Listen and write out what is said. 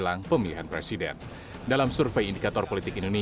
tapi kalau sudah mulainya